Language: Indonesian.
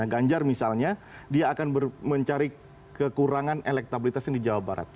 ganjar misalnya dia akan mencari kekurangan elektabilitasnya di jawa barat